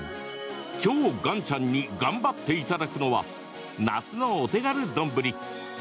今日、岩ちゃんに頑張っていただくのは夏のお手軽丼。